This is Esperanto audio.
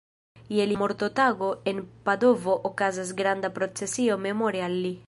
Je lia mortotago en Padovo okazas granda procesio memore al li.